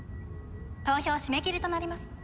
投票締め切りとなります。